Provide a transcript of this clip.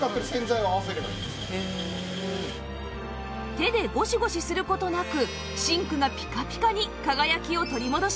手でゴシゴシする事なくシンクがピカピカに輝きを取り戻しました